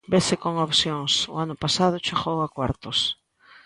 Vese con opcións, o ano pasado chegou a cuartos.